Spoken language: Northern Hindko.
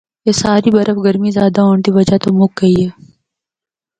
اے ساری برف گرمی زیادہ ہونڑا دی وجہ تو مُک گئی۔